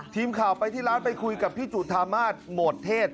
ทีมข่าวไปที่ร้านไปคุยกับพี่จุธามาศโหมดเทศ